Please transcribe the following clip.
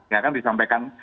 ya kan disampaikan